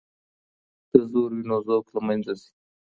که زور وي نو ذوق له منځه ځي.